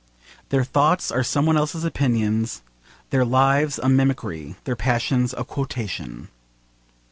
Their thoughts are some one else's opinions, their lives a mimicry, their passions a quotation.